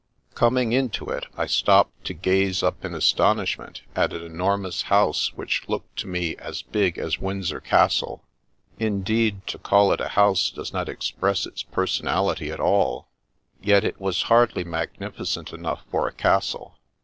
Coming into it, I stopped to gaze up in astonish ment at an enormous house which looked to me as big as Windsor Castle. Indeed, to call it a house does not express its personality at all ; yet it was hardly magnificent enough for a castle.